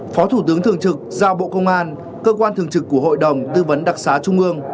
phó thủ tướng thường trực giao bộ công an cơ quan thường trực của hội đồng tư vấn đặc xá trung ương